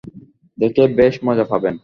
দেখে বেশ মজা পাবেন।